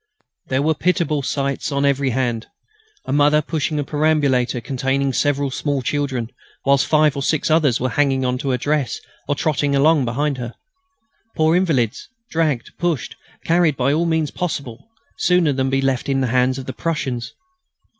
There were pitiable sights on every hand. A mother pushing a perambulator containing several small children, whilst five or six others were hanging on to her dress or trotting along around her. Poor invalids, dragged, pushed, carried by all possible means, sooner than be left in the hands of the Prussians.